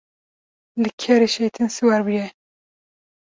Li kerê şeytên siwar bûye.